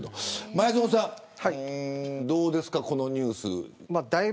前園さん、どうですかこのニュース。